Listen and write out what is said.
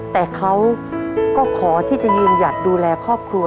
แต่เขาก็ขอที่จะยืนหยัดดูแลครอบครัว